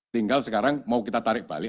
tinggal sekarang mau kita tarik balik